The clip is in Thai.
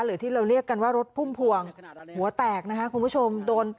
หรือที่เราเรียกกันว่ารถพุ่มพวงหัวแตกนะคะคุณผู้ชมโดน